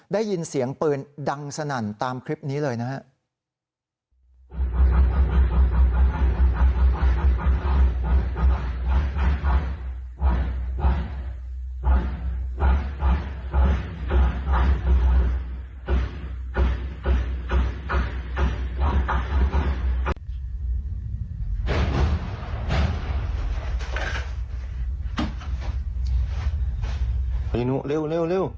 ได้ยินเสียงปืนดังสนั่นตามคลิปนี้เลยนะครับ